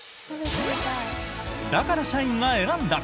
だから社員が選んだ！